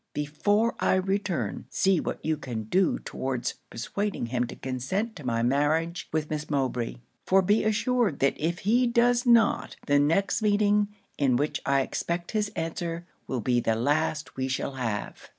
Before I return, see what you can do towards persuading him to consent to my marriage with Miss Mowbray; for be assured that if he does not, the next meeting, in which I expect his answer, will be the last we shall have.'